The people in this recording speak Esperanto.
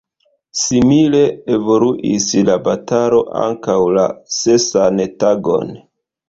Simile evoluis la batalo ankaŭ la sesan tagon.